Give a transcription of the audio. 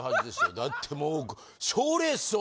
だってもう。